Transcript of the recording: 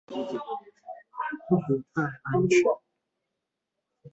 不太安全